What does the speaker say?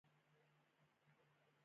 ته چې ولاړي زه هغه وخت رایاد کړم